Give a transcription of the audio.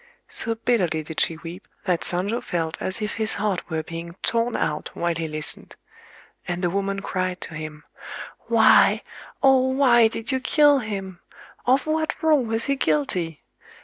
So bitterly did she weep that Sonjō felt as if his heart were being torn out while he listened. And the woman cried to him: "Why,—oh! why did you kill him?—of what wrong was he guilty?...